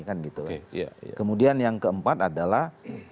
kemudian yang keempat adalah